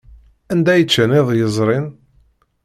Anda ay ččan iḍ yezrin?